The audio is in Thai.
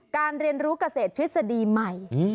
เรียนรู้เกษตรทฤษฎีใหม่